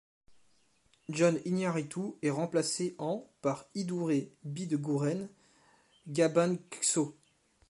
Jon Iñarritu est remplacé en par Idurre Bideguren Gabantxo.